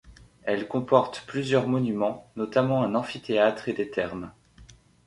Elle comporte plusieurs monuments, notamment un amphithéâtre et des thermes.